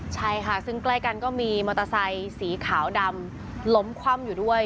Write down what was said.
ใช่ค่ะซึ่งใกล้กันก็มีมอเตอร์ไซค์สีขาวดำล้มคว่ำอยู่ด้วย